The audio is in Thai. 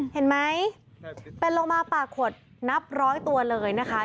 เห็นไหมเป็นลงมาปากขวดนับร้อยตัวเลยนะคะ